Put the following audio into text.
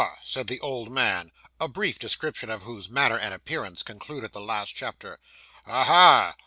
said the old man, a brief description of whose manner and appearance concluded the last chapter, 'aha!